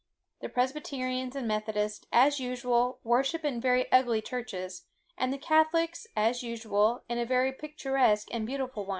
The Presbyterians and Methodists, as usual, worship in very ugly churches; and the Catholics, as usual, in a very picturesque and beautiful one.